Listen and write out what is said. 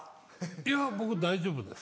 いや僕大丈夫です。